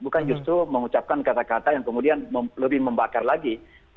bukan justru mengucapkan kata kata yang kemudian lebih membakar lagi